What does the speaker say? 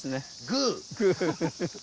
グー。